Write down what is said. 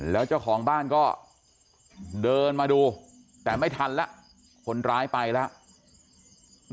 แล้วเจ้าของบ้านก็เดินมาดูแต่ไม่ทันแล้วคนร้ายไปแล้ว